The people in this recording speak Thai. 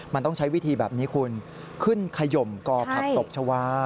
มันต้องใช้วิธีแบบนี้คุณขึ้นขยมก่อผักตบชาวา